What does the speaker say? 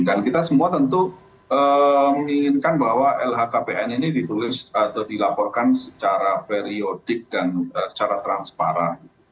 dan kita semua tentu menginginkan bahwa lhkpn ini ditulis atau dilaporkan secara periodik dan secara transparan